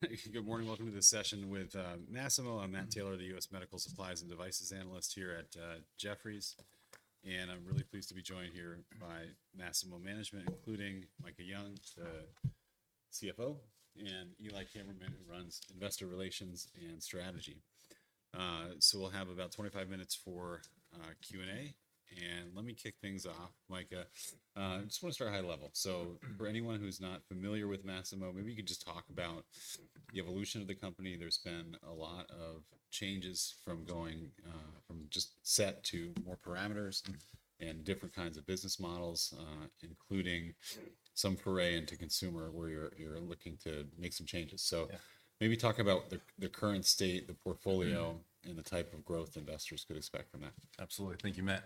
Good morning. Welcome to this session with Masimo. I'm Matt Taylor, the U.S. Medical Supplies and Devices Analyst here at Jefferies, and I'm really pleased to be joined here by Masimo management, including Micah Young, the CFO, and Eli Kammerman, who runs Investor Relations and Strategy. So we'll have about 25 minutes for Q&A, and let me kick things off, Micah. I just want to start high level. For anyone who's not familiar with Masimo, maybe you could just talk about the evolution of the company. There's been a lot of changes from going from just SET to more parameters and different kinds of business models, including some foray into consumer where you're looking to make some changes. So maybe talk about the current state, the portfolio, and the type of growth investors could expect from that. Absolutely. Thank you, Matt.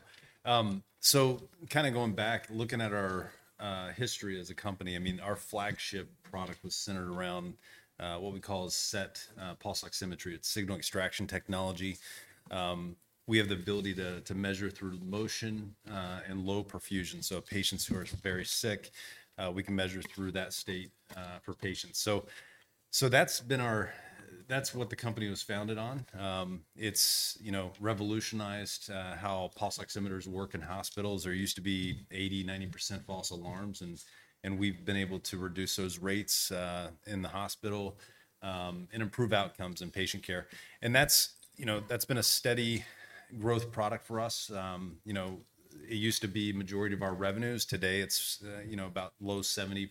So kind of going back, looking at our history as a company, I mean, our flagship product was centered around what we call SET pulse oximetry. It's Signal Extraction Technology. We have the ability to measure through motion and low perfusion. So patients who are very sick, we can measure through that state for patients. So that's been our—that's what the company was founded on. It's revolutionized how pulse oximeters work in hospitals. There used to be 80%-90% false alarms. And we've been able to reduce those rates in the hospital and improve outcomes in patient care. And that's been a steady growth product for us. It used to be the majority of our revenues. Today, it's about low 70%,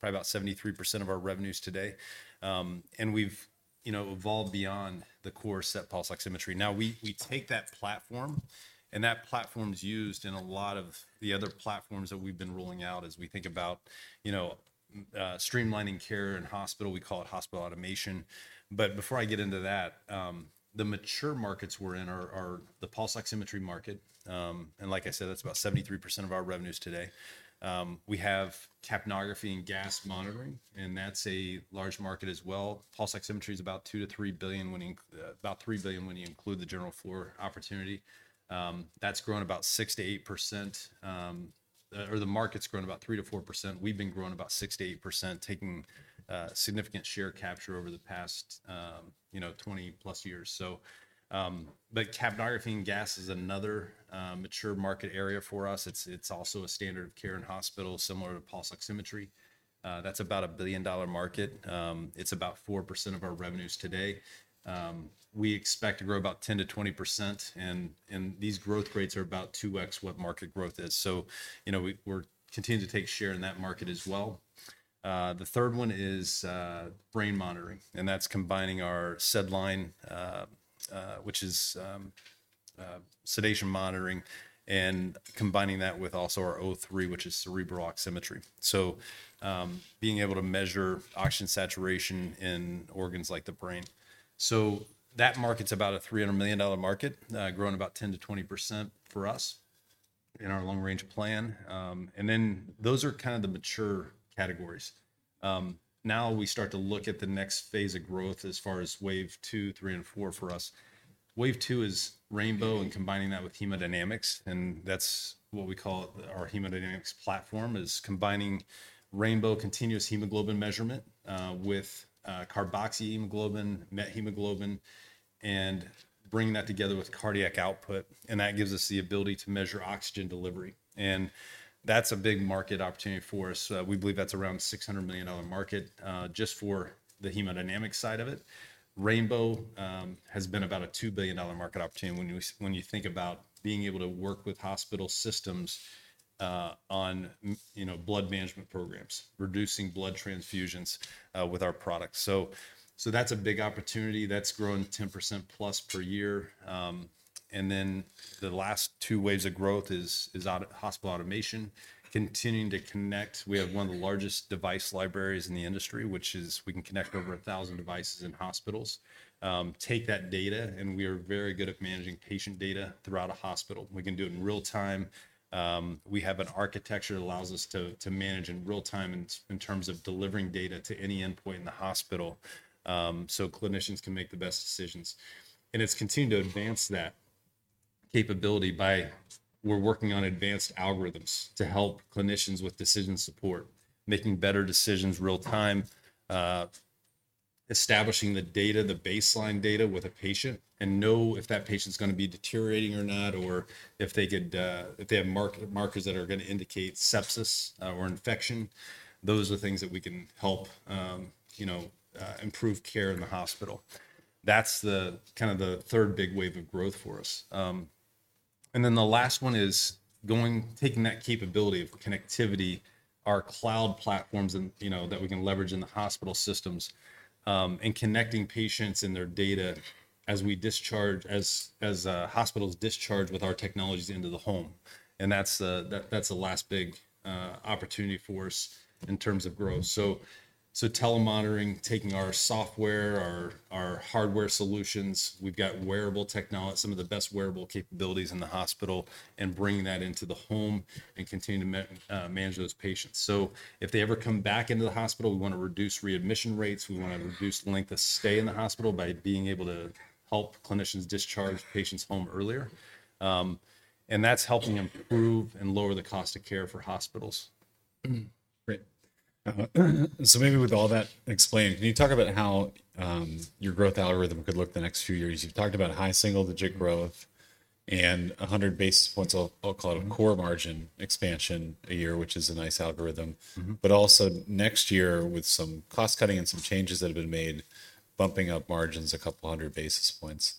probably about 73% of our revenues today. And we've evolved beyond the core SET pulse oximetry. Now, we take that platform, and that platform's used in a lot of the other platforms that we've been rolling out as we think about streamlining care in hospital. We call it hospital automation, but before I get into that, the mature markets we're in are the pulse oximetry market, and like I said, that's about 73% of our revenues today. We have capnography and gas monitoring, and that's a large market as well. Pulse oximetry is about $2 billion-$3 billion when you include the general floor opportunity. That's grown about 6%-8%, or the market's grown about 3%-4%. We've been growing about 6%-8%, taking significant share capture over the past 20-plus years. But capnography and gas is another mature market area for us. It's also a standard of care in hospital, similar to pulse oximetry. That's about a $1 billion market. It's about 4% of our revenues today. We expect to grow about 10%-20%. And these growth rates are about 2x what market growth is. So we're continuing to take share in that market as well. The third one is brain monitoring. And that's combining our SedLine, which is sedation monitoring, and combining that with also our O3, which is cerebral oximetry. So being able to measure oxygen saturation in organs like the brain. So that market's about a $300 million market, growing about 10%-20% for us in our long-range plan. And then those are kind of the mature categories. Now we start to look at the next phase of growth as far as wave two, three, and four for us. Wave two is Rainbow and combining that with hemodynamics. And that's what we call our hemodynamics platform, is combining Rainbow continuous hemoglobin measurement with carboxyhemoglobin, methemoglobin, and bringing that together with cardiac output. And that gives us the ability to measure oxygen delivery. And that's a big market opportunity for us. We believe that's around a $600 million market just for the hemodynamics side of it. Rainbow has been about a $2 billion market opportunity when you think about being able to work with hospital systems on blood management programs, reducing blood transfusions with our products. So that's a big opportunity. That's grown 10%+ per year. And then the last two waves of growth is hospital automation, continuing to connect. We have one of the largest device libraries in the industry, which is we can connect over 1,000 devices in hospitals, take that data, and we are very good at managing patient data throughout a hospital. We can do it in real time. We have an architecture that allows us to manage in real time in terms of delivering data to any endpoint in the hospital so clinicians can make the best decisions, and it's continuing to advance that capability by we're working on advanced algorithms to help clinicians with decision support, making better decisions real time, establishing the data, the baseline data with a patient, and know if that patient's going to be deteriorating or not, or if they have markers that are going to indicate sepsis or infection. Those are things that we can help improve care in the hospital. That's kind of the third big wave of growth for us. And then the last one is taking that capability of connectivity, our cloud platforms that we can leverage in the hospital systems, and connecting patients and their data as hospitals discharge with our technologies into the home. And that's the last big opportunity for us in terms of growth. So telemonitoring, taking our software, our hardware solutions, we've got wearable technology, some of the best wearable capabilities in the hospital, and bringing that into the home and continuing to manage those patients. So if they ever come back into the hospital, we want to reduce readmission rates. We want to reduce the length of stay in the hospital by being able to help clinicians discharge patients home earlier. And that's helping improve and lower the cost of care for hospitals. Great. So maybe with all that explained, can you talk about how your growth algorithm could look the next few years? You've talked about high single-digit growth and 100 basis points. I'll call it a core margin expansion a year, which is a nice algorithm, but also next year with some cost cutting and some changes that have been made, bumping op margins a couple hundred basis points.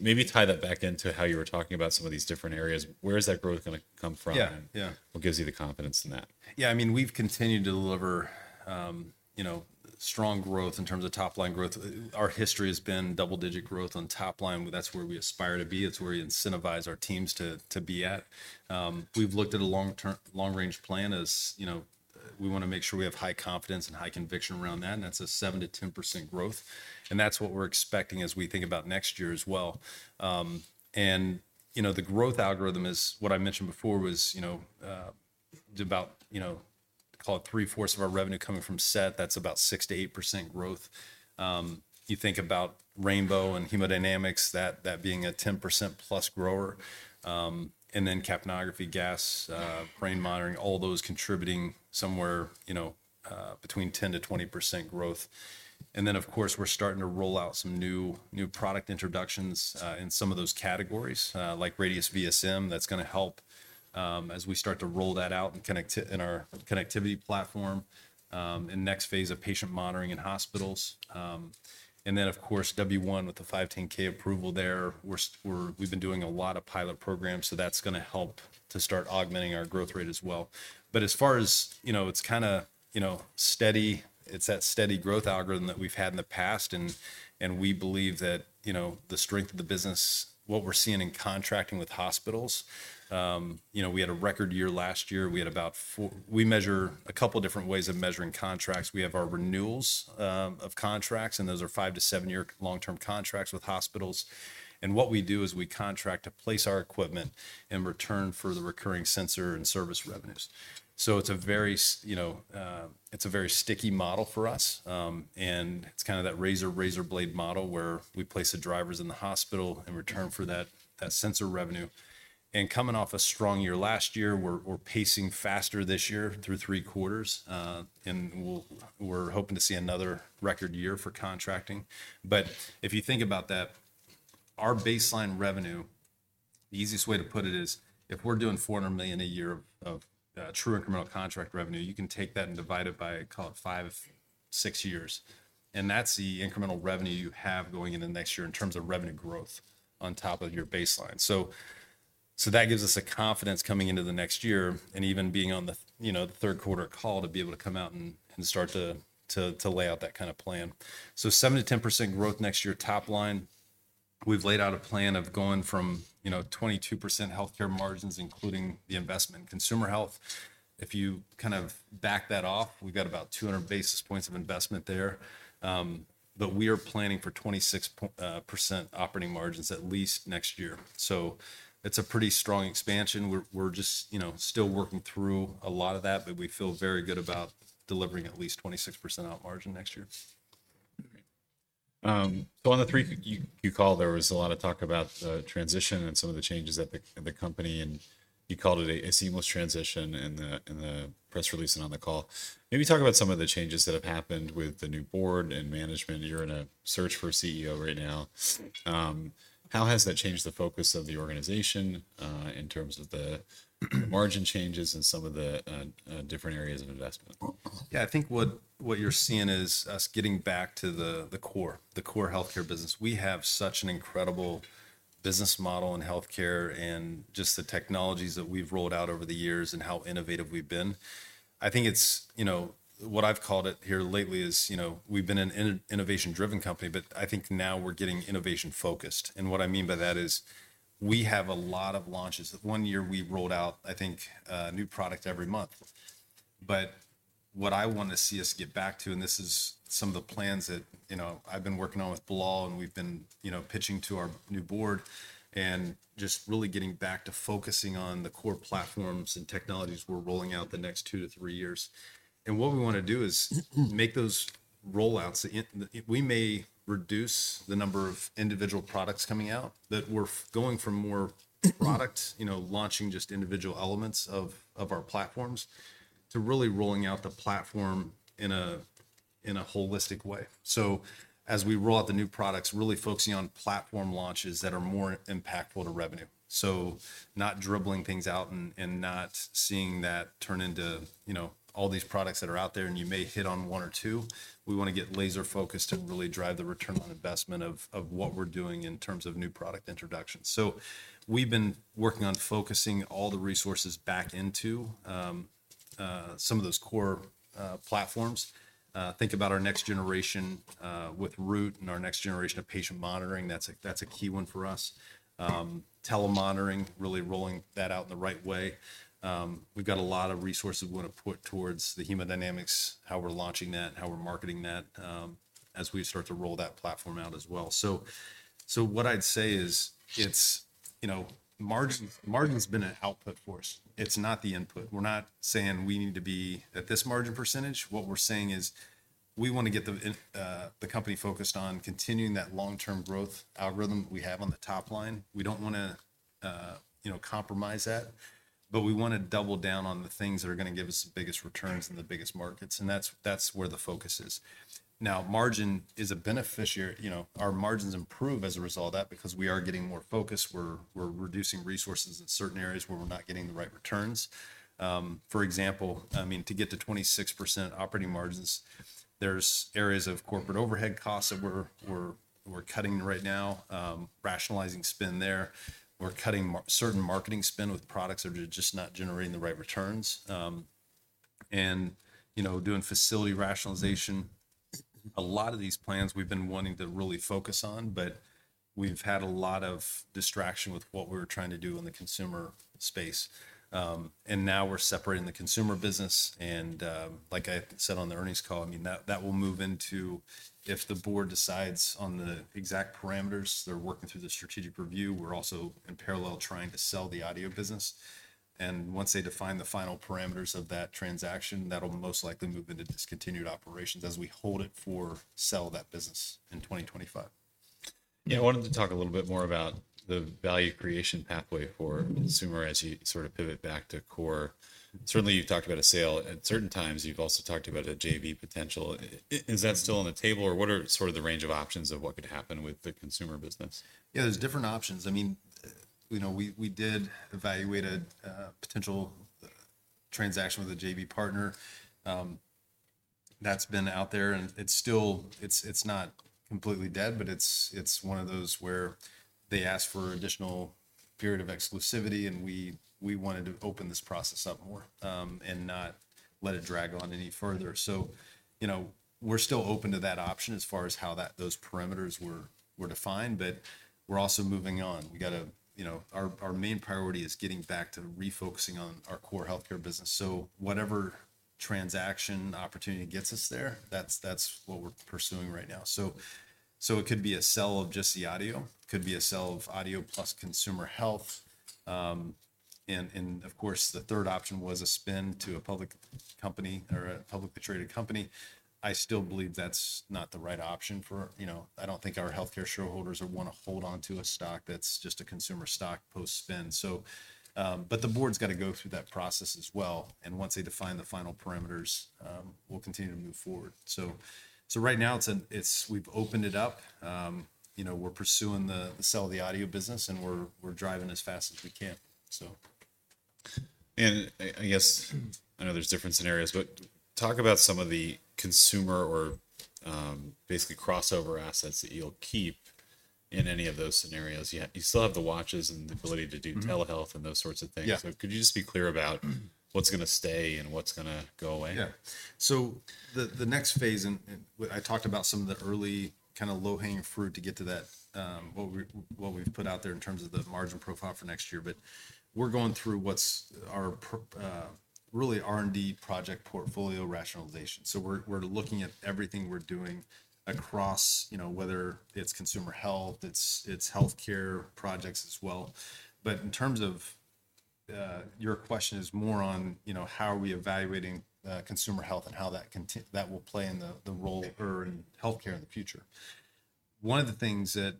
Maybe tie that back into how you were talking about some of these different areas. Where is that growth going to come from? What gives you the confidence in that? Yeah. I mean, we've continued to deliver strong growth in terms of top-line growth. Our history has been double-digit growth on top-line. That's where we aspire to be. It's where we incentivize our teams to be at. We've looked at a long-range plan as we want to make sure we have high confidence and high conviction around that. And that's a 7%-10% growth. And that's what we're expecting as we think about next year as well. And the growth algorithm is, what I mentioned before was about, call it three-fourths of our revenue coming from SET. That's about 6%-8% growth. You think about Rainbow and hemodynamics, that being a 10%+ grower. And then capnography, gas, brain monitoring, all those contributing somewhere between 10%-20% growth. And then, of course, we're starting to roll out some new product introductions in some of those categories, like Radius VSM. That's going to help as we start to roll that out in our connectivity platform in the next phase of patient monitoring in hospitals. And then, of course, W1 with the 510(k) approval there. We've been doing a lot of pilot programs, so that's going to help to start augmenting our growth rate as well. But as far as it's kind of steady, it's that steady growth algorithm that we've had in the past. And we believe that the strength of the business, what we're seeing in contracting with hospitals, we had a record year last year. We measure a couple different ways of measuring contracts. We have our renewals of contracts, and those are five- to seven-year long-term contracts with hospitals. What we do is we contract to place our equipment in return for the recurring sensor and service revenues. So it's a very sticky model for us. And it's kind of that razor-blade model where we place the drivers in the hospital in return for that sensor revenue. And coming off a strong year last year, we're pacing faster this year through three quarters. And we're hoping to see another record year for contracting. But if you think about that, our baseline revenue, the easiest way to put it is if we're doing $400 million a year of true incremental contract revenue, you can take that and divide it by, call it, five, six years. And that's the incremental revenue you have going into next year in terms of revenue growth on top of your baseline. That gives us the confidence coming into the next year and even being on the third-quarter call to be able to come out and start to lay out that kind of plan. 7%-10% growth next year top-line. We've laid out a plan of going from 22% healthcare margins, including the investment in consumer health. If you kind of back that off, we've got about 200 basis points of investment there. But we are planning for 26% operating margins at least next year. It's a pretty strong expansion. We're just still working through a lot of that, but we feel very good about delivering at least 26% up margin next year. So on the 3Q call, there was a lot of talk about the transition and some of the changes at the company. And you called it a seamless transition in the press release and on the call. Maybe talk about some of the changes that have happened with the new board and management. You're in a search for a CEO right now. How has that changed the focus of the organization in terms of the margin changes and some of the different areas of investment? Yeah. I think what you're seeing is us getting back to the core, the core healthcare business. We have such an incredible business model in healthcare and just the technologies that we've rolled out over the years and how innovative we've been. I think what I've called it here lately is we've been an innovation-driven company, but I think now we're getting innovation-focused, and what I mean by that is we have a lot of launches. One year, we rolled out, I think, a new product every month. But what I want to see us get back to, and this is some of the plans that I've been working on with Bilal, and we've been pitching to our new board, and just really getting back to focusing on the core platforms and technologies we're rolling out the next two to three years. What we want to do is make those rollouts. We may reduce the number of individual products coming out, that we're going from more products, launching just individual elements of our platforms to really rolling out the platform in a holistic way. So as we roll out the new products, really focusing on platform launches that are more impactful to revenue. So not dribbling things out and not seeing that turn into all these products that are out there and you may hit on one or two. We want to get laser-focused to really drive the return on investment of what we're doing in terms of new product introductions. So we've been working on focusing all the resources back into some of those core platforms. Think about our next generation with Root and our next generation of patient monitoring. That's a key one for us. Telemonitoring, really rolling that out in the right way. We've got a lot of resources we want to put towards the hemodynamics, how we're launching that, how we're marketing that as we start to roll that platform out as well. So what I'd say is margin's been an output for us. It's not the input. We're not saying we need to be at this margin percentage. What we're saying is we want to get the company focused on continuing that long-term growth algorithm we have on the top line. We don't want to compromise that, but we want to double down on the things that are going to give us the biggest returns in the biggest markets. And that's where the focus is. Now, margin is a beneficiary. Our margins improve as a result of that because we are getting more focused. We're reducing resources in certain areas where we're not getting the right returns. For example, I mean, to get to 26% operating margins, there's areas of corporate overhead costs that we're cutting right now, rationalizing spend there. We're cutting certain marketing spend with products that are just not generating the right returns, and doing facility rationalization, a lot of these plans we've been wanting to really focus on, but we've had a lot of distraction with what we were trying to do in the consumer space, and now we're separating the consumer business, and like I said on the earnings call, I mean, that will move into if the board decides on the exact parameters, they're working through the strategic review. We're also in parallel trying to sell the audio business. Once they define the final parameters of that transaction, that'll most likely move into discontinued operations as we hold it for sale of that business in 2025. Yeah. I wanted to talk a little bit more about the value creation pathway for consumer as you sort of pivot back to core. Certainly, you've talked about a sale. At certain times, you've also talked about a JV potential. Is that still on the table, or what are sort of the range of options of what could happen with the consumer business? Yeah. There's different options. I mean, we did evaluate a potential transaction with a JV partner. That's been out there. And it's not completely dead, but it's one of those where they ask for an additional period of exclusivity, and we wanted to open this process up more and not let it drag on any further. So we're still open to that option as far as how those parameters were defined, but we're also moving on. Our main priority is getting back to refocusing on our core healthcare business. So whatever transaction opportunity gets us there, that's what we're pursuing right now. So it could be a sale of just the audio. It could be a sale of audio plus consumer health. And of course, the third option was a spin-off to a public company or a publicly traded company. I still believe that's not the right option. I don't think our healthcare shareholders want to hold on to a stock that's just a consumer stock post-spin. But the board's got to go through that process as well. And once they define the final parameters, we'll continue to move forward. So right now, we've opened it up. We're pursuing the sale of the audio business, and we're driving as fast as we can, so. I guess I know there's different scenarios, but talk about some of the consumer or basically crossover assets that you'll keep in any of those scenarios. You still have the watches and the ability to do telehealth and those sorts of things, so could you just be clear about what's going to stay and what's going to go away? Yeah. So the next phase, and I talked about some of the early kind of low-hanging fruit to get to what we've put out there in terms of the margin profile for next year. But we're going through what's our really R&D project portfolio rationalization. So we're looking at everything we're doing across whether it's consumer health, it's healthcare projects as well. But in terms of your question is more on how are we evaluating consumer health and how that will play in the role or in healthcare in the future. One of the things that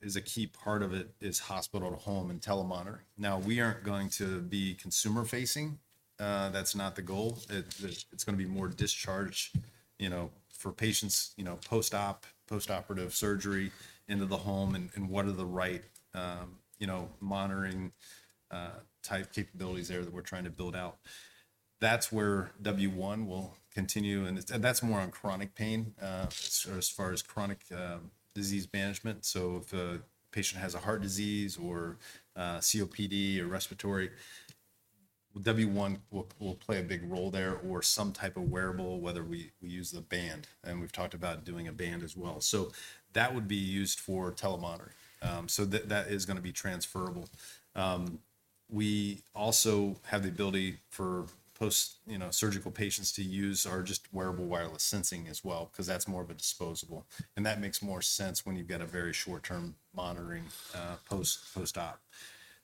is a key part of it is hospital to home and telemonitoring. Now, we aren't going to be consumer-facing. That's not the goal. It's going to be more discharge for patients, post-op, post-operative surgery into the home, and what are the right monitoring-type capabilities there that we're trying to build out. That's where W1 will continue. And that's more on chronic pain as far as chronic disease management. So if a patient has a heart disease or COPD or respiratory, W1 will play a big role there or some type of wearable, whether we use the band. And we've talked about doing a band as well. So that would be used for telemonitoring. So that is going to be transferable. We also have the ability for post-surgical patients to use our just wearable wireless sensing as well because that's more of a disposable. And that makes more sense when you've got a very short-term monitoring post-op.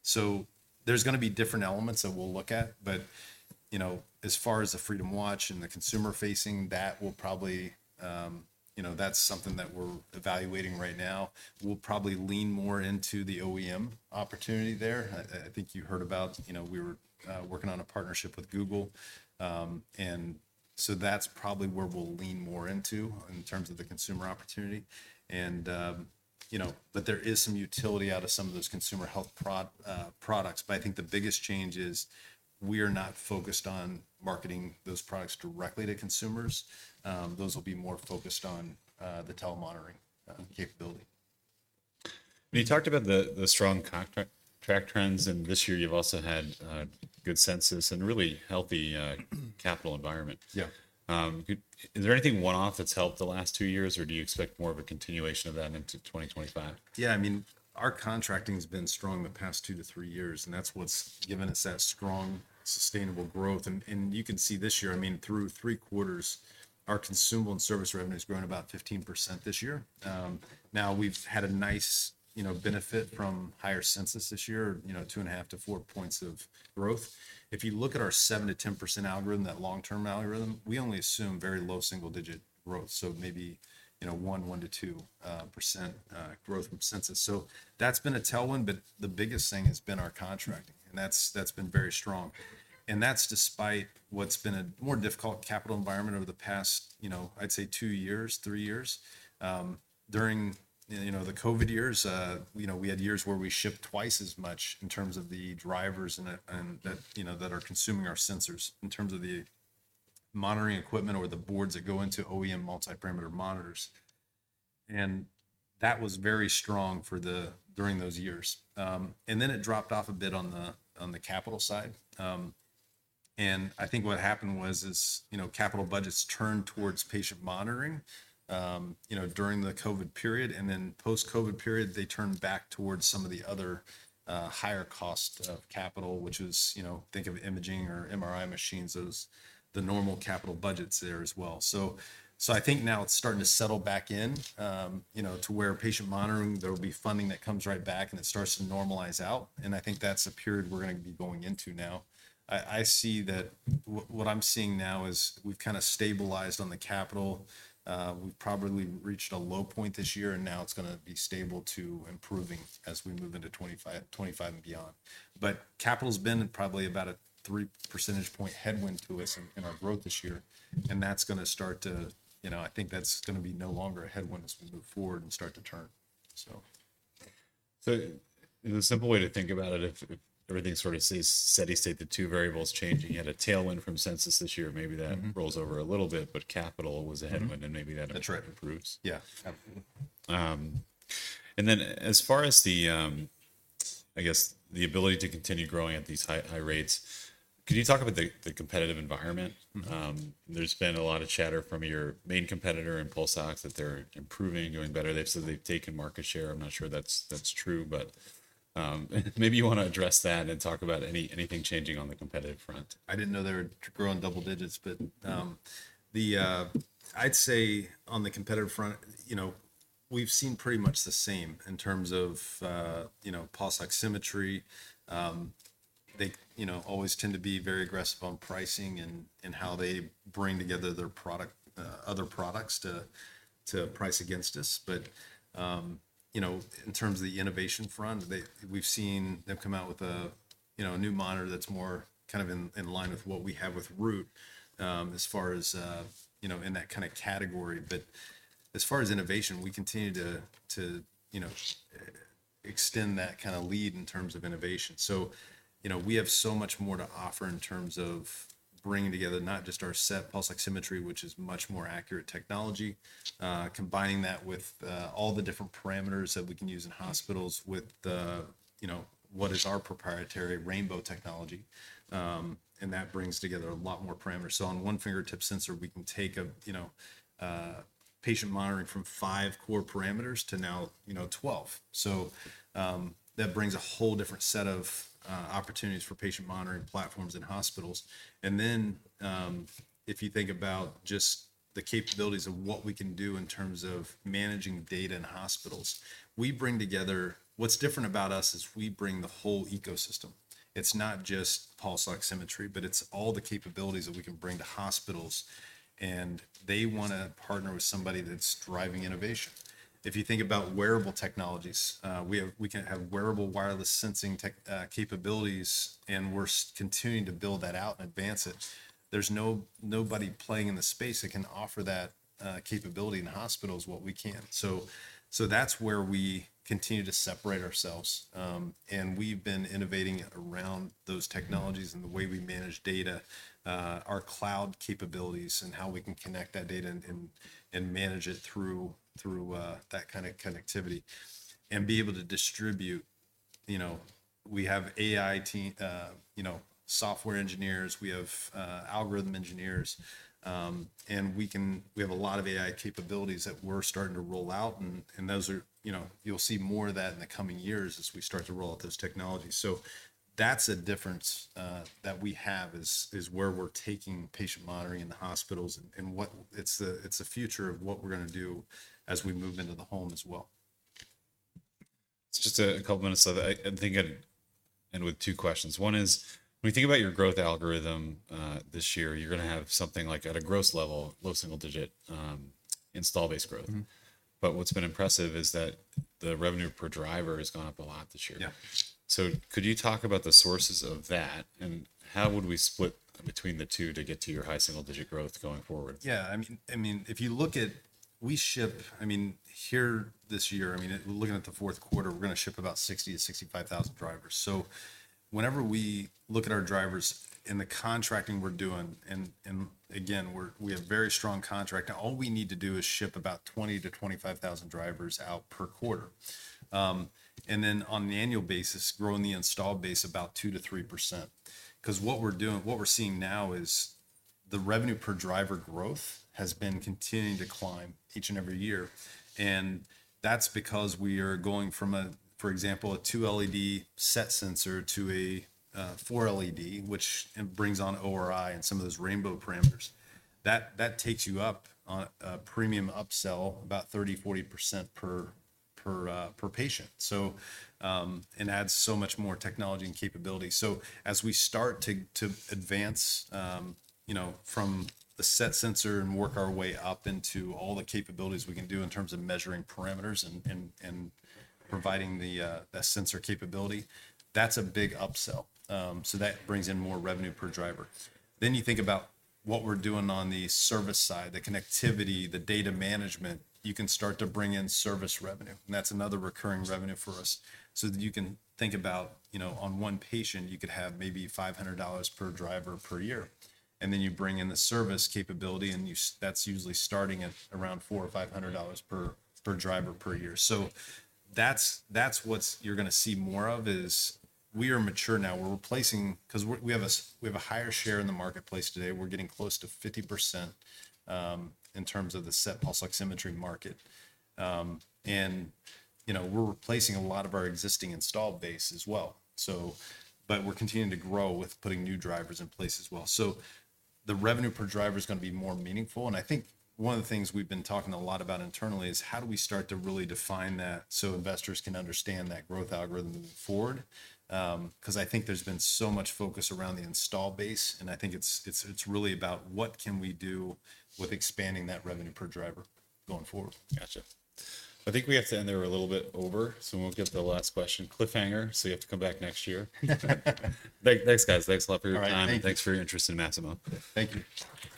So there's going to be different elements that we'll look at. But as far as the Freedom watch and the consumer-facing, that will probably, that's something that we're evaluating right now. We'll probably lean more into the OEM opportunity there. I think you heard about we were working on a partnership with Google, and so that's probably where we'll lean more into in terms of the consumer opportunity, but there is some utility out of some of those consumer health products, but I think the biggest change is we are not focused on marketing those products directly to consumers. Those will be more focused on the telemonitoring capability. You talked about the strong contract trends. This year, you've also had good census and really healthy capital environment. Yeah. Is there anything one-off that's helped the last two years, or do you expect more of a continuation of that into 2025? Yeah. I mean, our contracting has been strong the past two to three years, and that's what's given us that strong, sustainable growth. And you can see this year, I mean, through three quarters, our consumable and service revenue has grown about 15% this year. Now, we've had a nice benefit from higher census this year, two and a half to four points of growth. If you look at our 7%-10% algorithm, that long-term algorithm, we only assume very low single-digit growth, so maybe one, one to two percent growth from census. So that's been a tailwind, but the biggest thing has been our contracting, and that's been very strong. And that's despite what's been a more difficult capital environment over the past, I'd say, two years, three years. During the COVID years, we had years where we shipped twice as much in terms of the drivers that are consuming our sensors in terms of the monitoring equipment or the boards that go into OEM multi-parameter monitors. And that was very strong during those years. And then it dropped off a bit on the capital side. And I think what happened was capital budgets turned towards patient monitoring during the COVID period. And then post-COVID period, they turned back towards some of the other higher cost of capital, which is, think of imaging or MRI machines. Those are the normal capital budgets there as well. So I think now it's starting to settle back in to where patient monitoring, there will be funding that comes right back, and it starts to normalize out. And I think that's a period we're going to be going into now. I see that what I'm seeing now is we've kind of stabilized on the capital. We've probably reached a low point this year, and now it's going to be stable to improving as we move into 2025 and beyond. But capital's been probably about a three percentage point headwind to us in our growth this year. And that's going to start to, I think that's going to be no longer a headwind as we move forward and start to turn, so. So, in a simple way to think about it, if everything sort of steady-state, the two variables changing, you had a tailwind from census this year. Maybe that rolls over a little bit, but capital was a headwind, and maybe that improves. That's right. Yeah. Absolutely. And then as far as, I guess, the ability to continue growing at these high rates, can you talk about the competitive environment? There's been a lot of chatter from your main competitor and pulse ox that they're improving, doing better. They've said they've taken market share. I'm not sure that's true, but maybe you want to address that and talk about anything changing on the competitive front. I didn't know they were growing double digits, but I'd say on the competitive front, we've seen pretty much the same in terms of pulse oximetry. They always tend to be very aggressive on pricing and how they bring together other products to price against us. But in terms of the innovation front, we've seen them come out with a new monitor that's more kind of in line with what we have with Root as far as in that kind of category. But as far as innovation, we continue to extend that kind of lead in terms of innovation. So we have so much more to offer in terms of bringing together not just our SET pulse oximetry, which is much more accurate technology, combining that with all the different parameters that we can use in hospitals with what is our proprietary Rainbow technology. And that brings together a lot more parameters. So on one fingertip sensor, we can take patient monitoring from five core parameters to now 12. So that brings a whole different set of opportunities for patient monitoring platforms in hospitals. And then if you think about just the capabilities of what we can do in terms of managing data in hospitals, we bring together, what's different about us is we bring the whole ecosystem. It's not just pulse oximetry, but it's all the capabilities that we can bring to hospitals. And they want to partner with somebody that's driving innovation. If you think about wearable technologies, we can have wearable wireless sensing capabilities, and we're continuing to build that out and advance it. There's nobody playing in the space that can offer that capability in hospitals what we can. So that's where we continue to separate ourselves. We've been innovating around those technologies and the way we manage data, our cloud capabilities, and how we can connect that data and manage it through that kind of connectivity and be able to distribute. We have AI software engineers. We have algorithm engineers. And we have a lot of AI capabilities that we're starting to roll out. And you'll see more of that in the coming years as we start to roll out those technologies. So that's a difference that we have is where we're taking patient monitoring in the hospitals. And it's the future of what we're going to do as we move into the home as well. It's just a couple of minutes left. I think I'd end with two questions. One is, when you think about your growth algorithm this year, you're going to have something like at a gross level, low single-digit installed base growth. But what's been impressive is that the revenue per driver has gone up a lot this year. So could you talk about the sources of that, and how would we split between the two to get to your high single-digit growth going forward? Yeah. I mean, if you look at, I mean, here this year, I mean, looking at the fourth quarter, we're going to ship about 60-65,000 drivers. So whenever we look at our drivers and the contracting we're doing, and again, we have very strong contract. All we need to do is ship about 20-25,000 drivers out per quarter. And then on an annual basis, growing the install base about 2%-3%. Because what we're seeing now is the revenue per driver growth has been continuing to climb each and every year. And that's because we are going from, for example, a two-LED SET sensor to a four-LED, which brings on ORI and some of those Rainbow parameters. That takes you up on a premium upsell about 30%-40% per patient. And adds so much more technology and capability. So as we start to advance from the SET sensor and work our way up into all the capabilities we can do in terms of measuring parameters and providing that sensor capability, that's a big upsell. So that brings in more revenue per driver. Then you think about what we're doing on the service side, the connectivity, the data management. You can start to bring in service revenue. And that's another recurring revenue for us. So you can think about on one patient, you could have maybe $500 per driver per year. And then you bring in the service capability, and that's usually starting at around $400 or $500 per driver per year. So that's what you're going to see more of is we are mature now. Because we have a higher share in the marketplace today. We're getting close to 50% in terms of the SET pulse oximetry market. And we're replacing a lot of our existing installed base as well. But we're continuing to grow with putting new drivers in place as well. So the revenue per driver is going to be more meaningful. And I think one of the things we've been talking a lot about internally is how do we start to really define that so investors can understand that growth algorithm moving forward? Because I think there's been so much focus around the installed base. And I think it's really about what can we do with expanding that revenue per driver going forward. Gotcha. I think we have to end there a little bit over. So we'll get the last question. Cliffhanger. So you have to come back next year. Thanks, guys. Thanks a lot for your time. And thanks for your interest in Masimo. Thank you.